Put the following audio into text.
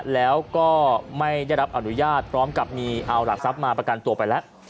แล้วก็ไม่ได้รับอนุญาตพร้อมกับมีเอาหลักทรัพย์มาประกันตัวไปแล้ว